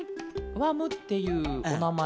「わむ」っていうおなまえと